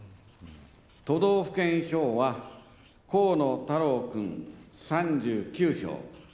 都道府県票は、河野太郎君３９票。